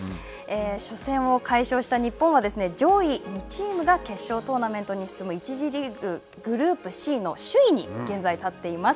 初戦を快勝した日本は上位２チームが決勝トーナメントに進む１次リーグ、グループＣの首位に現在立っています。